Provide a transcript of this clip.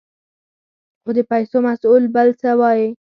خو د ډېپو مسوول بل څه وايې.